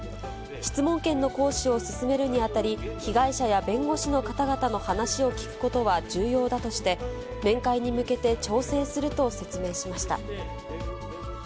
質問権の行使を進めるにあたり、被害者や弁護士の話を聞くことは重要だとして、面会に向けて調整すると説明しました。